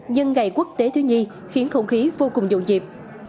nhưng ngày quốc tế thiếu nhi khiến không khí vô cùng dộn dịp